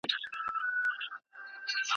موږ باید د پوهنتون پرېکړې ته درناوی وکړو.